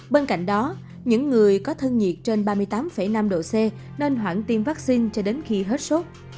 bên cạnh đó những người có thân nhiệt trên ba mươi tám năm độ c nên hoãn tiêm vắc xin cho đến khi hết sốt